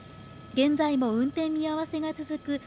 現在も運転見合せが続く